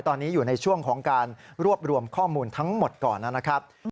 ตอนนี้อยู่ในช่วงของการรวบรวมข้อมูลทั้งหมดก่อนนะครับ